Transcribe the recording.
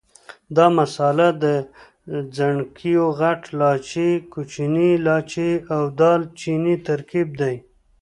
دا مساله د ځڼکیو، غټ لاچي، کوچني لاچي او دال چیني ترکیب دی.